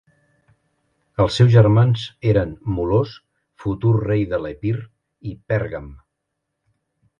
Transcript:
Els seus germans eren Molós, futur rei de l'Epir, i Pèrgam.